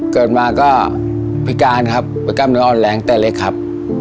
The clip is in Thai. เกิดมาก็พิการครับประกล้ามเนื้ออ่อนแรงแต่เล็กครับ